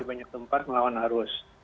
banyak tempat melawan arus